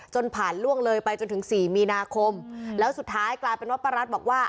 ผ่านล่วงเลยไปจนถึงสี่มีนาคมแล้วสุดท้ายกลายเป็นว่าป้ารัสบอกว่า